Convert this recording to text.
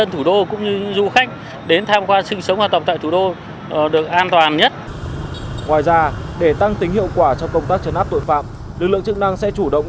lực lượng chức năng sẽ chủ động tăng cường